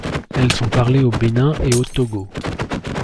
Elles sont parlées au Bénin et au Togo.